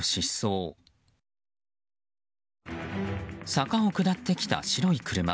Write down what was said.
坂を下ってきた白い車。